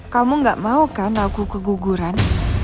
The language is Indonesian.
kamu gak mau kan aku keguguran